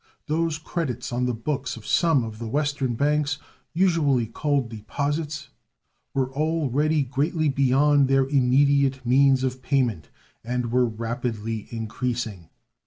Those credits on the books of some of the Western banks, usually called deposits, were already greatly beyond their immediate means of payment, and were rapidly increasing.